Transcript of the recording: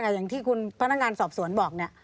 อย่างที่คุณพนักงานสอบสวนบอกเนี่ย